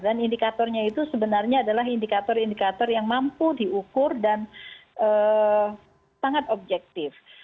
dan indikatornya itu sebenarnya adalah indikator indikator yang mampu diukur dan sangat objektif